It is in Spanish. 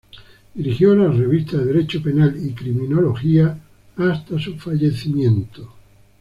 Dirigió la Revista de Derecho Penal y Criminología hasta su fallecimiento.